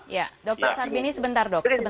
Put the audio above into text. ya dokter sarbini sebentar dok